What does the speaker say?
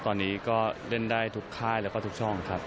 ตอนนี้ก็เล่นได้ทุกค่ายแล้วก็ทุกช่องครับ